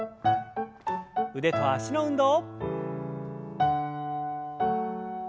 腕と脚の運動。